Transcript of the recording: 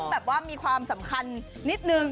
ซึ่งมีความสำคัญนิดนึง